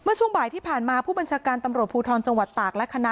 ช่วงบ่ายที่ผ่านมาผู้บัญชาการตำรวจภูทรจังหวัดตากและคณะ